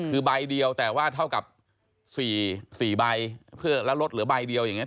คือใบเดียวแต่ว่าเท่ากับ๔ใบเพื่อแล้วลดเหลือใบเดียวอย่างนี้